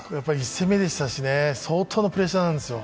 １戦目でしたしね、相当なプレッシャーなんですよ。